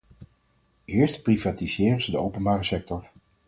Eerst privatiseren ze de openbare sector.